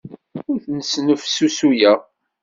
Ur ten-snefsusuyeɣ.